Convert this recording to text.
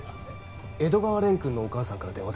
江戸川蓮くんのお母さんから電話です。